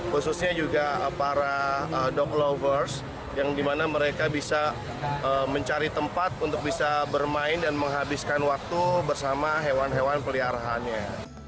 khususnya juga para dog lovers yang dimana mereka bisa mencari tempat untuk bisa bermain dan menghabiskan waktu bersama hewan hewan peliharaannya